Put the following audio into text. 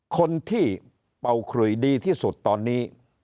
คนที่เป่าขุยดีที่สุดตอนนี้